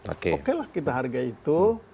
oke oke lah kita hargai itu